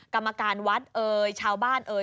กรรมการวัดเอ่ยชาวบ้านเอ่ย